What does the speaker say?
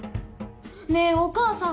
ねぇお母さん！